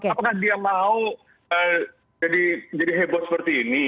apakah dia mau jadi heboh seperti ini